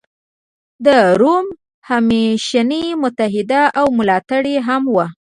د روم همېشنی متحد او ملاتړی هم و.